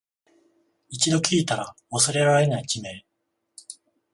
一度聞いたら忘れられない地名